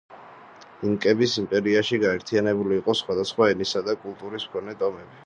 ინკების იმპერიაში გაერთიანებული იყო სხვადასხვა ენისა და კულტურის მქონე ტომები.